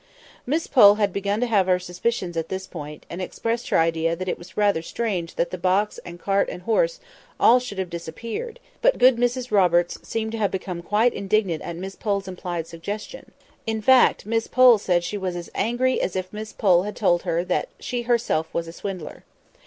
Miss Pole had begun to have her suspicions at this point, and expressed her idea that it was rather strange that the box and cart and horse and all should have disappeared; but good Mrs Roberts seemed to have become quite indignant at Miss Pole's implied suggestion; in fact, Miss Pole said she was as angry as if Miss Pole had told her that she herself was a swindler.